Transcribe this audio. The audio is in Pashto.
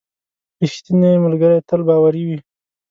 • رښتینی ملګری تل باوري وي.